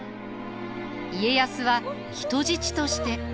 家康は人質として。